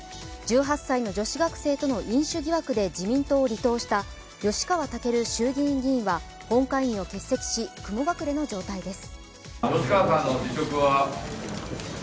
１８歳の女子学生との飲酒疑惑で自民党を離党した吉川赳衆議院議員は本会議を欠席し、雲隠れの状態です。